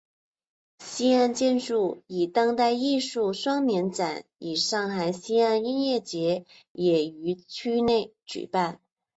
西岸建筑与当代艺术双年展与上海西岸音乐节也于区内举办。